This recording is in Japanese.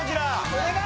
お願い！